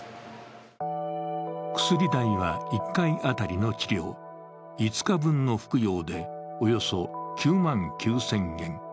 薬代は一回当たりの治療、５日分の服用でおよそ９万９０００円。